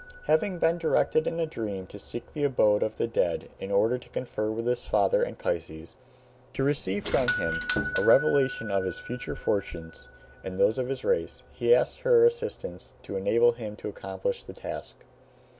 Having been directed in a dream to seek the abode of the dead in order to confer with his father, Anchises, to receive from him a revelation of his future fortunes and those of his race, he asked her assistance to enable him to accomplish the task.